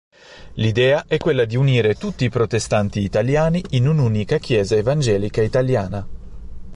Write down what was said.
L'idea è quella di unire tutti i protestanti italiani in un'unica chiesa evangelica italiana.